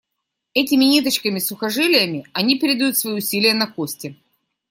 Этими ниточками-сухожилиями они передают свои усилия на кости.